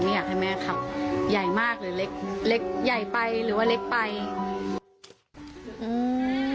ไม่อยากให้แม่หย่ายมากหรือเล็กปง